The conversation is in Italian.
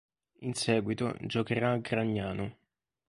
In seguito, giocherà a Gragnano.